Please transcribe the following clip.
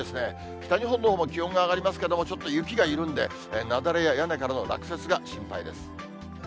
北日本のほうも気温が上がりますけども、ちょっと雪が緩んで、雪崩や屋根からの落雪が心配です。